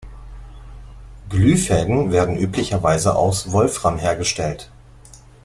Glühfäden werden üblicherweise aus Wolfram hergestellt.